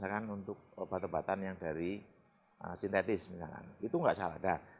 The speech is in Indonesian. misalkan untuk obat obatan yang dari sintetis misalkan itu nggak salah